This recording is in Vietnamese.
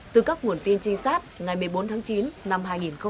từ các nguồn tin trinh sát ngày một mươi bốn tháng chín năm hai nghìn hai mươi ba